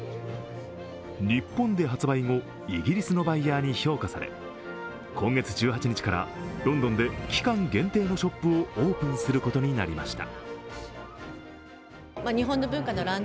日本で発売後、イギリスのバイヤーに評価され今月１８日からロンドンで期間限定のショップをオープンすることになりました。